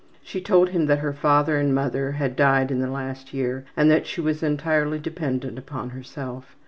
She told him that her father and mother had died in the last year and that she was entirely dependent upon herself.